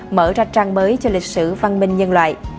mở ra trang mới cho lịch sử văn minh nhân loại